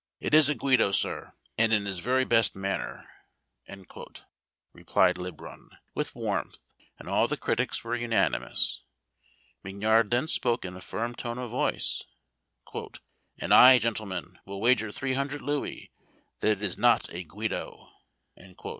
"It is a Guido, sir, and in his very best manner," replied Le Brun, with warmth; and all the critics were unanimous. Mignard then spoke in a firm tone of voice: "And I, gentlemen, will wager three hundred louis that it is not a Guido."